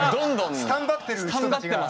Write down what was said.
スタンバってる人たちが。